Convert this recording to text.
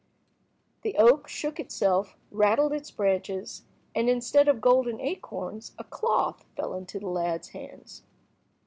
The oak shook itself, rattled its branches, and instead of golden acorns a cloth fell into the lad's hands.